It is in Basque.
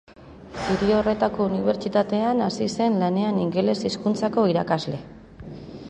Hiri horretako unibertsitatean hasi zen lanean ingeles hizkuntzako irakasle.